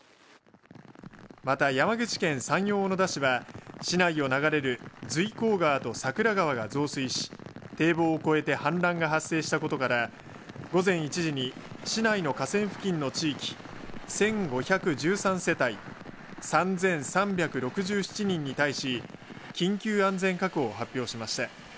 また山口県山陽小野田市は市内を流れる随光川と桜川が増水し堤防を越えて氾濫が発生したことから午前１時に市内の河川付近の地域１５１３世帯３３６７人に対し緊急安全確保を発表しました。